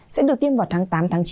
sẽ được tiêm vào tháng tám chín